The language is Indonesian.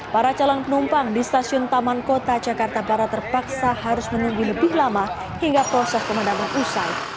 para calon penumpang di stasiun taman kota jakarta barat terpaksa harus menunggu lebih lama hingga proses pemadaman usai